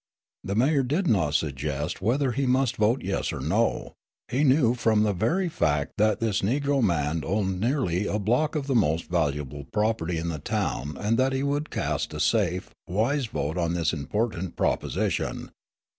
The mayor did not suggest whether he must vote "yes" or "no"; he knew from the very fact that this Negro man owned nearly a block of the most valuable property in the town that he would cast a safe, wise vote on this important proposition.